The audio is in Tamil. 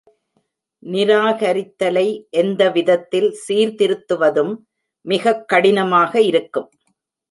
நிராகரித்தலை எந்தவிதத்தில் சீர்திருத்துவதும் மிகக் கடினமாக இருக்கும்.